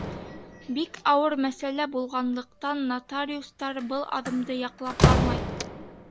Бик ауыр мәсьәлә булғанлыҡтан, нотариустар был аҙымды яҡлап бармай.